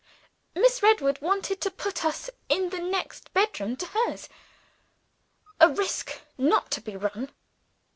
Miss Redwood wanted to put us in the next bedroom to hers a risk not to be run.